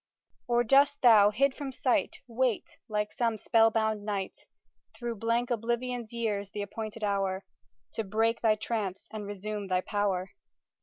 Or dost thou, hid from sight, Wait, like some spell bound knight, Through blank oblivion's years th' appointed hour, To break thy trance and reassume thy power?